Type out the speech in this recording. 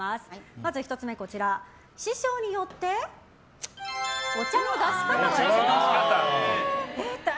まず１つ目、師匠によってお茶の出し方が違う！